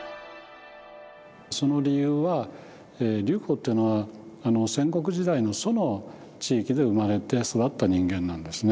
その理由は劉邦っていうのは戦国時代の楚の地域で生まれて育った人間なんですね。